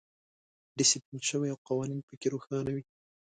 ډیسپلین شوی او قوانین پکې روښانه وي.